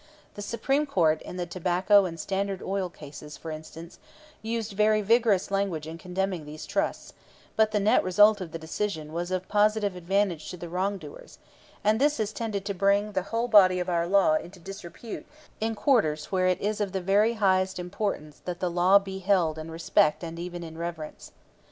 The Supreme Court in the Tobacco and Standard Oil cases, for instance, used very vigorous language in condemning these trusts; but the net result of the decision was of positive advantage to the wrongdoers, and this has tended to bring the whole body of our law into disrepute in quarters where it is of the very highest importance that the law be held in respect and even in reverence.